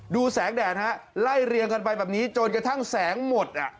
แสงแดดฮะไล่เรียงกันไปแบบนี้จนกระทั่งแสงหมด